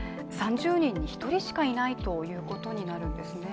３０人に１人しかいないということになるんですね。